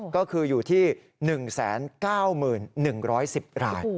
ก็คืออยู่ที่๑๙๑๑๐ราย